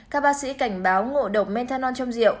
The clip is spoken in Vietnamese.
các bác sĩ cảnh báo ngộ độc menthanol trong rượu